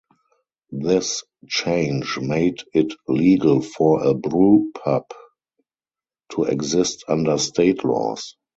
This change made it legal for a brewpub to exist under state laws.